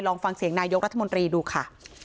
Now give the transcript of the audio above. ลองฟังเสียงนายกรัฐมนตรีดูค่ะ